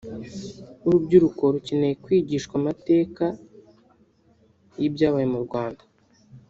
urubyiruko rukeneye kwigishwa amatega y’ibyabaye mu Rwanda